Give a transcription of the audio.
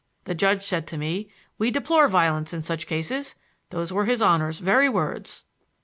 The judge said to me, 'We deplore violence in such cases.' Those were his Honor's very words."